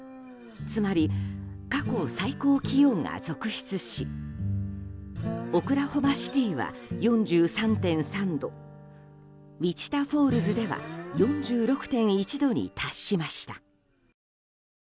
つまり過去最高気温が続出しオクラホマシティーは４３．３度ウィチタフォールズでは４６．１度に達しました。